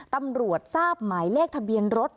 ตำรวจทราบหมายเลขทะเบียนรถ